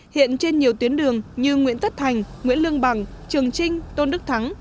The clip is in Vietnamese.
hiện trên nhiều tuyến đường như nguyễn tất thành nguyễn lương bằng trường trinh tôn đức thắng